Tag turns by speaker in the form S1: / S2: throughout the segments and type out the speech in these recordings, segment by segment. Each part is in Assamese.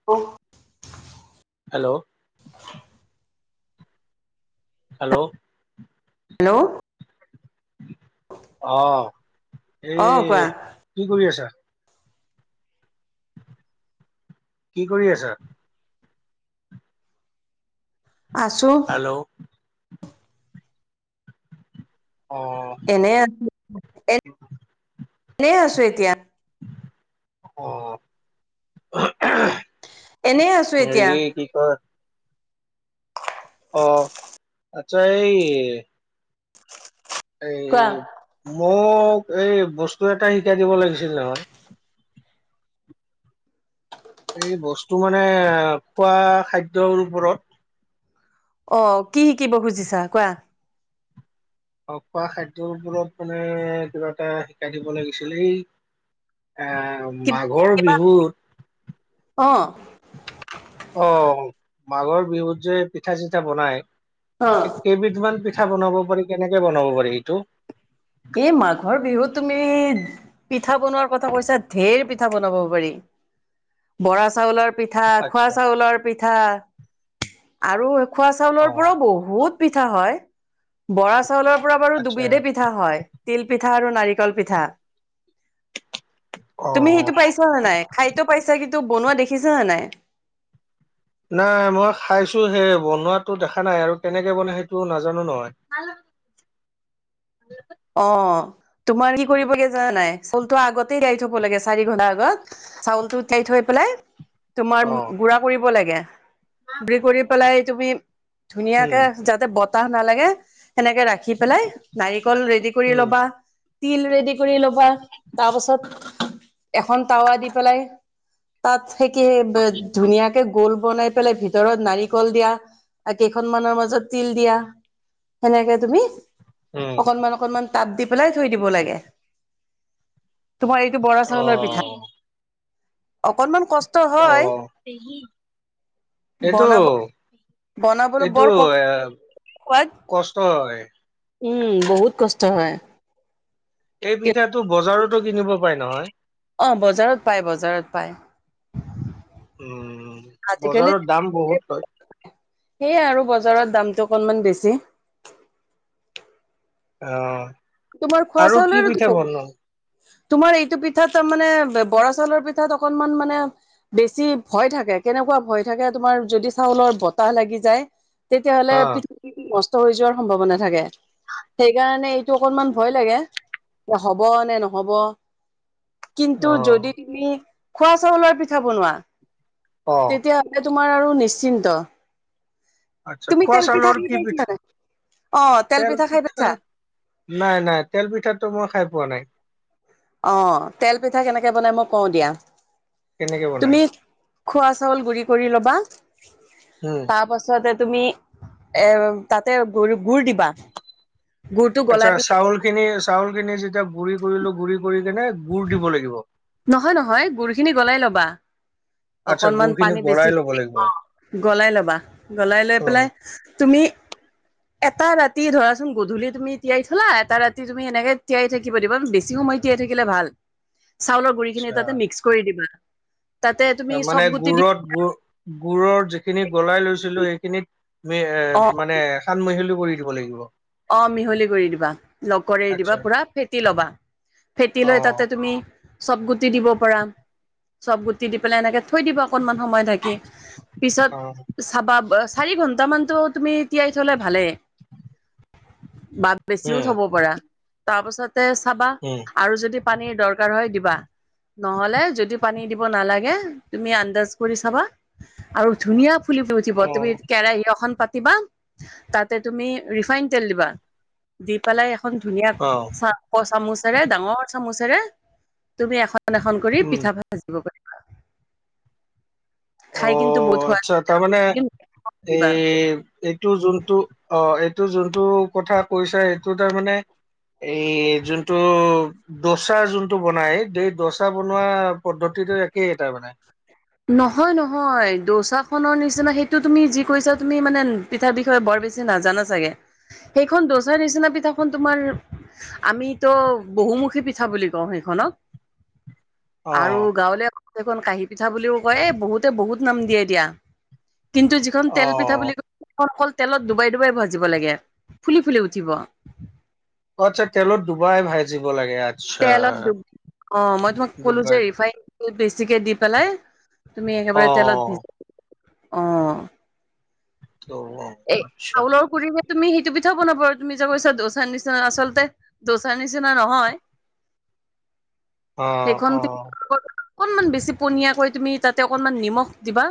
S1: [inaudible]
S2: Hello hello
S1: hello.
S2: অ',
S1: অ কোৱা
S2: এই কি কৰি আছা? কি কৰি আছা?
S1: আছো।
S2: হেল্ল'। অ'।
S1: এনে [unintelligible] এনে আছো এতিয়া।
S2: [unintelligible]
S1: এনে আছো এতিয়া
S2: হেৰি কি কয় অ', আচ্ছা এই
S1: কোৱা
S2: এই মোক এই বস্তু এটা শিকাই দিব লাগিছিল নহয়। এই বস্তু মানে খোৱা খাদ্যৰ ওপৰত
S1: অ', কি শিকিব খুজিছা কোৱা?
S2: খোৱা খাদ্যৰ উপৰত মানে কিবা এটা শিকাই দিব লাগিছিল এই এ মাঘৰ
S1: কিবা
S2: বিহুত
S1: অ'।
S2: অ' মাঘৰ বিহুত যে পিঠা চিঠা বনাই
S1: অ'।
S2: কেইবিধমান পিঠা বনাব পাৰি কেনেকে বনাব পাৰি সেইটো?
S1: এই মাঘৰ বিহুত তুমি পিঠা বনোৱাৰ কথা কৈছা, ঢেৰ পিঠা বনাব পাৰি বৰা চাউলৰ পিঠা খোৱা
S2: আচ্ছা
S1: চাউলৰ পিঠা আৰু খোৱা
S2: অ
S1: চাউলৰ পৰাও বহুত পিঠা হয়, বৰা চাউলৰ পৰা বাৰু
S2: আচ্ছা
S1: দুবিধে পিঠা হয় তিল পিঠা আৰু নাৰিকল পিঠা।
S2: অ
S1: তুমি সেইটো পাইছা নে নাই? খাইতো পাইছা কিন্তু বনোৱা দেখিছা নে নাই?
S2: নাই মই খাইছো হে বনোৱাটো দেখা নাই, আৰু কেনেকে বনাই সেইটো নাজানো নহয়।
S1: অ', তোমাৰ কি কৰিব লাগে জানা নাই? চাউলটো আগতেই তিয়াই থব লাগে চাৰি ঘণ্টা আগত চাউলটো তিয়াই থৈ পেলাই তোমাৰ
S2: অ
S1: গুৰা কৰিব লাগে, গুৰি কৰি পেলাই তুমি
S2: উম
S1: ধুনীয়াকে যাতে বতাহ নালাগে সেনেকে ৰাখি পেলাই নাৰিকল ৰেডী কৰি
S2: উম
S1: ল'বা তিল ৰেডি কৰি ল'বা তাৰ পাছত এখন টাৱা দি পেলাই তাত সেই কি ধুনীয়াকে গোল বনাই পেলাই ভিতৰত নাৰিকল দিয়া আ কেইখনমানৰ মাজত তিল দিয়া সেনেকে তুমি
S2: উম
S1: অকনমান অকনমান তাপ দি পেলাই থৈ দিব লাগে। তোমাৰ এইটো বৰা
S2: অ
S1: চাউলৰ পিঠা, অকনমান কষ্ট হয়
S2: অ' পেহী এইটো
S1: বনাব বনাবলৈ
S2: এইটো
S1: বৰ কষ্ট
S2: এ
S1: সোৱাদ
S2: কষ্ট হয়।
S1: উম বহুত কষ্ট হয়।
S2: এই
S1: কিন্তু
S2: পিঠাটো বজাৰতো কিনিব পায় নহয়।
S1: অ বজাৰত পায় বজাৰত পায়।
S2: উম
S1: আজিকালি
S2: বজাৰত দাম বহুত লয়।
S1: সেয়ে আৰু বজাৰত দামটো অকণমান বেছি।
S2: অ,
S1: তোমাৰ খোৱা
S2: আৰু
S1: চোৱা
S2: কি
S1: লৈও টো
S2: পিঠা
S1: বহুত-
S2: বনোৱা
S1: তোমাৰ এইটো পিঠাত তাৰ মানে বৰা চাউলৰ পিঠাত অকনমান মানে - বেছি ভয় থাকে কেনেকুৱা ভয় থাকে তোমাৰ যদি চাউলৰ বতাহ লাগি যায় - তেতিয়া হ'লে
S2: অ
S1: পিঠা গুৰি খিনি নষ্ট হৈ যোৱাৰ সম্ভাৱনা থাকে। সেইকাৰণে- টো অকনমান ভয় লাগে, এ হ'ব নে নহ'ব। কিন্তু
S2: অ
S1: যদি তুমি খোৱা চাউলৰ পিঠা বনোৱা,
S2: অ
S1: তেতিয়া- তেতিয়া তোমাৰ আৰু নিশ্চিন্ত।
S2: আচ্ছা
S1: তুমি
S2: খোৱা
S1: তেল পিঠা
S2: চাউলৰ
S1: খাই
S2: কি
S1: পাইছা নে
S2: পিঠা
S1: নাই, অ তেল পিঠা খাই পাইছা?
S2: নাই নাই তেল পিঠাটো মই খাই পোৱা নাই।
S1: অ তেল পিঠা কেনেকে বনাই মই কওঁ দিয়া।
S2: কেনেকে বনাই
S1: তুমি - খোৱা চাউল গুৰি কৰি ল'বা, তাৰ
S2: উম
S1: পাছত- তাৰ পাছতে তুমি এ তাতে গ গুড় দিবা। গুৰটো
S2: আচ্ছা,
S1: গলাই পেলাই
S2: চাউল খিনি চাউল খিনি যেতিয়া গুড়ি কৰিলো গুড়ি কৰি কিনে গুৰ দিব লাগিব।
S1: নহয় নহয় গুৰখিনি গলাই ল'বা।
S2: আচ্ছা
S1: অকনমান
S2: গুৰ খিনি
S1: পানী
S2: গলাই
S1: বেছিকে
S2: ল'ব
S1: দি
S2: লাগিব অ
S1: গলাই ল'বা, গলাই লৈ পেলাই তুমি- এটা ৰাতি ধৰাচোন গধূলি তুমি তিয়াই থলা এটা ৰাতি তুমি এনেকে তিয়াই থাকিব দিবা, বেছি সময়- তিয়াই থাকিলে ভাল, চাউলৰ গুৰি খিনি
S2: আচ্ছা
S1: তাতে মিক্স কৰি দিবা। তাতে তুমি
S2: মানে
S1: চব গুটি দি
S2: গুৰত গু গুৰৰ যিখিনি গলাই লৈছিলো সেইখিনিত-
S1: অ
S2: এ মানে খান মহিলি কৰি দিব লাগিব।
S1: অ মিহলি কৰি দিবা, লগ কৰি
S2: আচ্ছা
S1: দিবা পুৰা ফেটি লবা। ফেটি
S2: অ
S1: লৈ তাতে তুমি চবগুটি দিব পাৰা, চবগুটি দি পেলাই এনেকে- থৈ দিব অকনমান সময় ঢাকি,
S2: অ
S1: পিছত চাবা চাৰি ঘন্টামানটো তুমি তিয়াই থ'লে ভালে। বা বেছিও
S2: উম
S1: থব পাৰা, তাৰ পাছতে চাবা-
S2: উম
S1: আৰু যদি পানীৰ দৰকাৰ হয় দিবা। নহলে যদি পানী দিব নালাগে তুমি আন্দাজ কৰি চাবা আৰু ধুনীয়া- ফুলি উঠিব,
S2: অ
S1: তুমি কেৰাহী এখন পাতিবা তাতে তুমি ৰিফাইন তেল দিবা। দি পেলাই এখন ধুনীয়া
S2: অ
S1: চাহ- চামুচেৰে ডাঙৰ চামুচেৰে তুমি এখন এখন কৰি
S2: উম
S1: পিঠা- ভাজিব পাৰিবা।
S2: অ
S1: খাই কিন্তু বহুত
S2: আচ্ছা তাৰমানে
S1: সোৱাদ [unintelligible]
S2: এই এইটো যোনটো অ এইটো যোনটো কথা কৈছা সেইটো তাৰমানে- এই যোনটো- দচা যোনটো বনাই সেই দচা বনোৱা পদ্ধতিটো একেই তাৰ মানে।
S1: নহয় নহয় দোচাখনৰ নিচিনা সেইটো তুমি যি কৈছা তুমি মানে- পিঠাৰ বিষয়ে বৰ বেছি নাজানা চাগে, সেইখন দচাৰ নিচিনা পিঠাখন তোমাৰ- আমিতো বহুমুখী পিঠা বুলি কওঁ সেইখনক।
S2: অ
S1: আৰু গাঁৱলীয়াত ক'ব গলে কেইখন কাঁহি পি- পিঠা বুলিও কয় বহুতে বহুত নাম দিয়ে দিয়া। কিন্তু যিখন
S2: অ
S1: তেল পিঠা বুলি ক- সেইখন অকল তেলত ডুবাই ডুবাই ভাজিব লাগে ফুলি ফুলি উঠিব।
S2: অ আচ্ছা তেলত ডুবাই ভাজিব লাগে, আ-
S1: তেলত ডুবাই, অ মই তোমাক ক'লো যে
S2: ডুবাই
S1: ৰিফাইন- তেল বেছিকে দি পেলাই তুমি
S2: অ
S1: একেবাৰে তেলত ভিজ অ'!
S2: অ
S1: এই,
S2: আচ্ছা
S1: চাউলৰ গুৰি তুমি সেইটো পিঠাও বনাব পাৰা। তুমি যে কৈছা! দোচাৰ নিচিনা, আচলতে দোচাৰ নিচিনা নহয়।
S2: অ
S1: [unintelligible]
S2: অ
S1: অকনমান বেছি পনীয়াকৈ, তুমি তাতে, অকনমান নিমখ দিবা।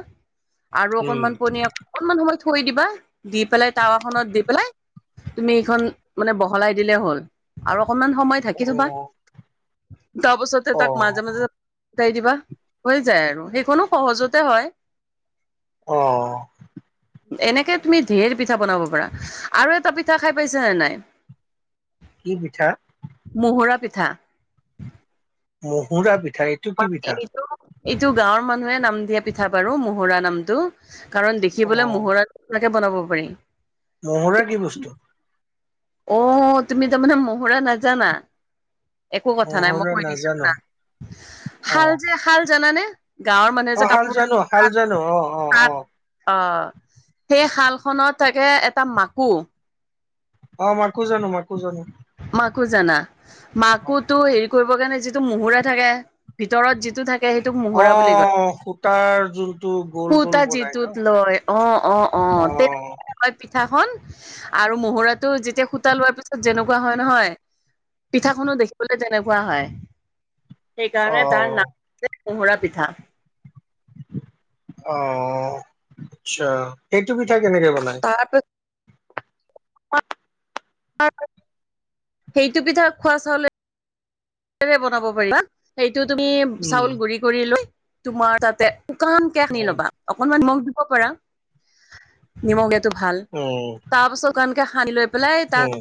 S1: আৰু
S2: উম
S1: অকনমান পনীয়া, অকনমান সময় থৈ দিবা। দি পেলাই, টাৱা খনত দি পেলাই। তুমি এইখন মানে, বহলাই দিলে হ'ল। আৰু অকনমান সময় থাকি
S2: অ
S1: থ'বা। তাৰপাছতে,
S2: অ
S1: তাক মাজে-মাজে উলটাই দিবা। হৈ যায় আৰু সেইখনো সহজতে হয়।
S2: অ'!
S1: এনেকে তুমি, ধেৰ পিঠা বনাব পাৰা। আৰু এটা পিঠা খাই পাইছা নে নাই?
S2: [inaudible] কি পিঠা?
S1: মহুৰা পিঠা।
S2: মহুৰা পিঠা। [unintelligible]
S1: এইটো, এইটো গাঁৱৰ মানুহে, নাম দিয়া পিঠা বাৰু মহুৰা নামটো। কাৰণ,
S2: অ
S1: দেখিবলে মহুৰা নিচিনাকে বনাব পাৰি।
S2: মহুৰা কি বস্তু?
S1: অ'! তুমি তাৰমানে, মহুৰা নাজানা? একো কথা নাই। মই
S2: মহুৰা
S1: কৈ দিছোঁ
S2: নাজানো
S1: শুনা!
S2: অ
S1: শাল যে শাল জানানে? গাঁৱৰ মানুহে
S2: অ'!
S1: যে
S2: শাল
S1: কাপোৰ
S2: জানোঁ, শাল
S1: তাত
S2: জানোঁ, অ' অ'
S1: তাত
S2: অ'!
S1: অ'! সেই শালখনত থাকে, এটা মাকো।
S2: অ'! মাকো জানোঁ, মাকো জানোঁ।
S1: মাকো জানা? মাকোটো সেৰি কৰিব কাৰণে, যিটো মহুৰা থাকে, ভিতৰত যিটো থাকে সেইটোক মহুৰা বুলি কয়।
S2: অ'! সূতাৰ যোন
S1: সূতা যিতোত লয়। অ' অ' অ'! তেনে হয়, পিঠা খন আৰু মহুৰাটো যেতিয়া, সুতা লোৱাৰ পিছত, যেনেকুৱা হয় নহয়। পিঠাখনো দেখিবলে, তেনেকুৱা হয়। সেইকাৰণে, তাৰ
S2: অ',
S1: নাম [unintelligible] মহুৰা পিঠা।
S2: অ'! আচ্ছা, সেইটো পিঠা কেনেকে বনাই?
S1: তাৰপি সেইটো পিঠা, ওখোৱা চাউলে [unintelligible] বনাব পাৰিবা। সেইটো তুমি
S2: উম,
S1: চাউল গুৰি কৰি লৈ, তোমাৰ তাতে শুকানকে হানি
S2: উম,
S1: ল'বা। অকণমান নিমখ দিব পাৰা। নিমখ দিয়টো ভাল!
S2: উম,
S1: তাৰপাছত, এনেকে সানি লৈ পেলাই, তাত
S2: উম,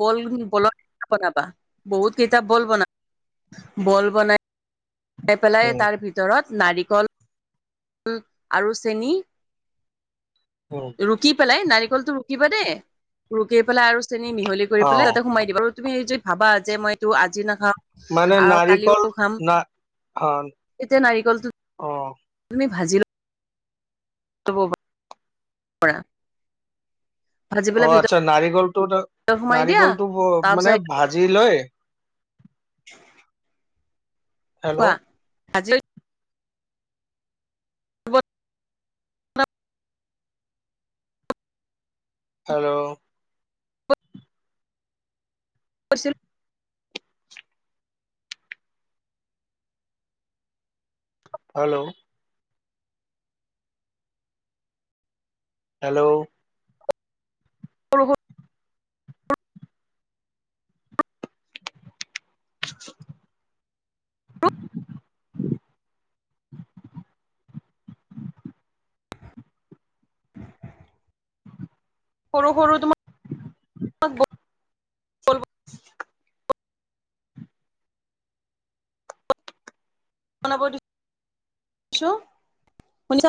S1: বল, বলত কাপ বনাবা। বহুত কেইটা বল বনাবা। বল বনাই বনাই পেলাই
S2: উম,
S1: তাৰ ভিতৰত, নাৰিকল আৰু চেনি
S2: উম!
S1: ৰুকি পেলাই, নাৰিকলটো ৰুকিবা দেই? ৰুকি পেলাই আৰু চেনি মিহলি কৰি পেলাই,
S2: অ',
S1: তাতে সোমাই দিবা আৰু। তুমি যদি ভাবা! যে মই এইটো আজি নাখাওঁ।
S2: মানে নাৰিকল,
S1: কালিও খাম
S2: না,
S1: তেতিয়া নাৰিকলটো
S2: অ' অ'!
S1: তুমি ভাজিলা। [unintelligible] ভাজি
S2: অ'!
S1: পেলাই
S2: আচ্ছা, নাৰিকলটোত,
S1: সোমাই দিয়া
S2: নাৰিকলটো
S1: তাৰ
S2: মানে,
S1: পিছত
S2: ভাজি লৈ
S1: [inaudible] কোৱা?
S2: হেল্ল'
S1: আজিলৈ [unintelligible]
S2: হেল্ল'?
S1: [unintelligible]
S2: হেল্ল' হেল্ল'
S1: সৰু
S2: [unintelligible] [inaudible]
S1: সৰু সৰু তো বল
S2: [unintelligible]
S1: শুনিছোঁ। শুনিছ?